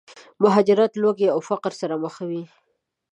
مهاجرت، لوږې او فقر سره مخ وي.